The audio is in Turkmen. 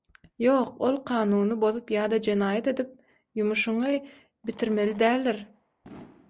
Ýok ol kanuny bozup ýa-da jenaýat edip, ýumuşyňňy bitirmeli däldir.